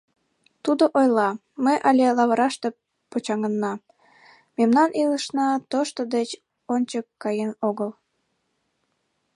Тудо ойла: «Ме але лавыраште почаҥына, мемнан илышна тошто деч ончык каен огыл».